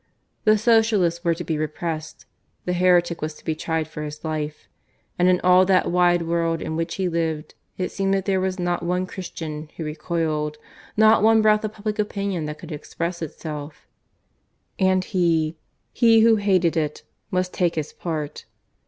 The Socialists were to be "repressed"; the heretic was to be tried for his life; and in all that wide world in which he lived it seemed that there was not one Christian who recoiled, not one breath of public opinion that could express itself. And he he who hated it must take his part.